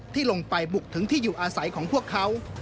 ที่ลงไปบุกถึงที่อยู่อาศัยของพวกเขา